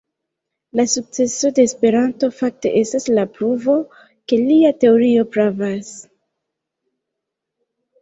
La sukceso de Esperanto fakte estas la pruvo, ke lia teorio pravas.